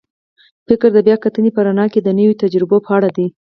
فکر د بیا کتنې په رڼا کې د نویو تجربو په اړه دی.